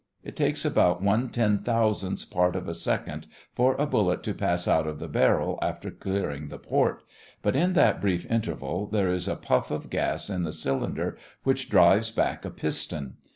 It takes about one ten thousandth part of a second for a bullet to pass out of the barrel after clearing the port, but in that brief interval there is a puff of gas in the cylinder which drives back a piston.